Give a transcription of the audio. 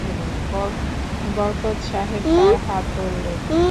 বরকত সাহেব তার হাত ধরলেন।